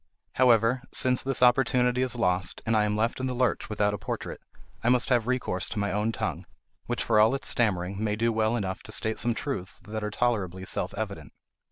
However, since this opportunity is lost, and I am left in the lurch without a portrait, I must have recourse to my own tongue, which, for all its stammering, may do well enough to state some truths that are tolerably self evident.